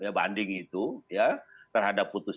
bagaimana anda melihat peluang akan ada perubahan dari hukum ini